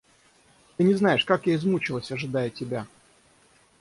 Ты не знаешь, как я измучалась, ожидая тебя!